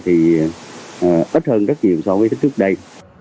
thì ít hơn rất nhiều so với trước đây